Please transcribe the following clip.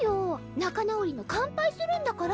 仲直りの乾杯するんだから。